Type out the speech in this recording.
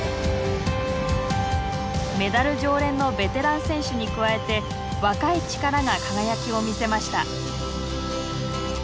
メダル常連のベテラン選手に加えて若い力が輝きを見せました。